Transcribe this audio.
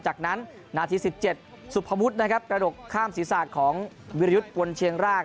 จากนั้นนาที๑๗สุภวุฒินะครับกระดกข้ามศีรษะของวิรยุทธ์วนเชียงราก